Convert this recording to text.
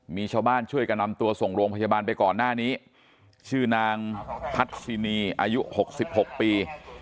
มีชาวบ้านช่วยกันนำตัวส่งโรงพยาบาลไปก่อนหน้านี้ชื่อนางพัฒินีอายุ๖๖ปี